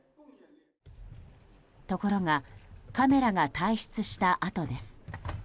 ところがカメラが退出したあとです。